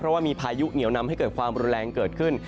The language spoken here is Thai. เพราะว่ามีพายุเหนียวนำให้เกิดความรุนแรงเกิดขึ้น